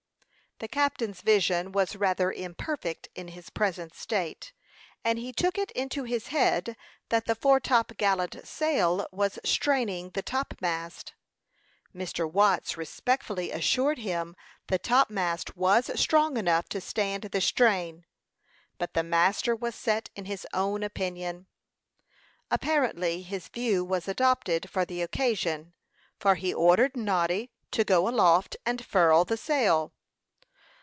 The captain's vision was rather imperfect in his present state, and he took it into his head that the foretop gallant sail was straining the topmast. Mr. Watts respectfully assured him the topmast was strong enough to stand the strain; but the master was set in his own opinion. Apparently his view was adopted for the occasion, for he ordered Noddy to go aloft and furl the sail.